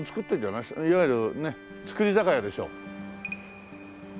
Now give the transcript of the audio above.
いわゆるね造り酒屋でしょう。